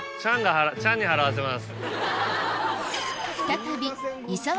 チャンに払わせます。